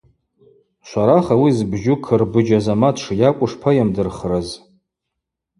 Шварах ауи збжьу Кырбыджь Азамат шйакӏву шпайымдырхрыз.